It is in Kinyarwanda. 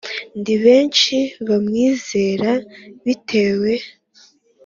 Ndi benshi bamwizera bitewe